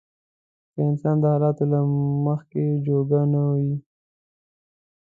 که انسان د حالاتو له مخې جوګه نه وي.